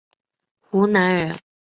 湖南人。